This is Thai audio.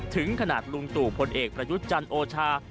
ถึงขนาดลุงตู่พลเอกประยุทธ์จันทร์โอชา